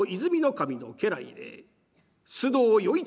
守の家来で須藤与一